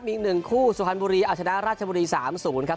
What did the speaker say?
มีอีกหนึ่งคู่สุพรรณบุรีอาชญาราชบุรีสามศูนย์ครับ